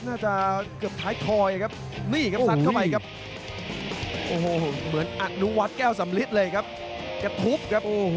โอ้โหตบมัดฮุกขวา